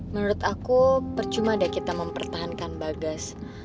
menurut aku percuma ada kita mempertahankan bagas